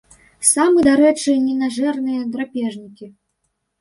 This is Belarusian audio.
Самы, дарэчы, ненажэрныя драпежнікі.